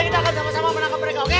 kita akan sama sama menangkap mereka oke